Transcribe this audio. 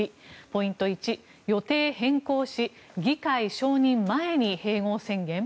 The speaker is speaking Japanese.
ポイント１、予定変更し議会承認前に併合宣言？